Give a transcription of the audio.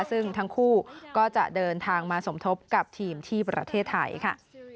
ซึ่งทั้งคู่ก็จะเดินทางมาสมทบกับทีมที่ประเทศไทยค่ะ